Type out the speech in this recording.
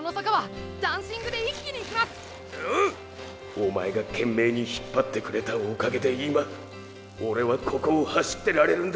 おまえが懸命に引っぱってくれたおかげで今オレはここを走ってられるんだ！